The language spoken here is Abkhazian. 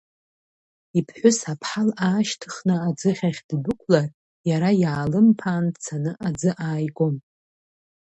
Иԥҳәыс аԥҳал аашьҭхны аӡыхь ахь ддәықәлар, иара иаалымԥаан дцаны аӡы ааигон.